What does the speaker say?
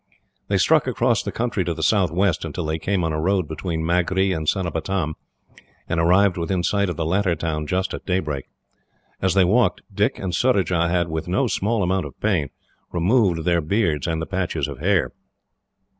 They struck across the country to the southwest, until they came on a road between Magree and Cenopatam, and arrived within sight of the latter town just at daybreak. As they walked, Dick and Surajah had, with no small amount of pain, removed their beards and the patches of hair.